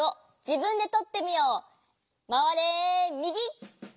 まわれみぎ。